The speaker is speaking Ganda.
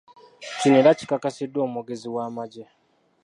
Kino era kikakasiddwa omwogezi w’amagye.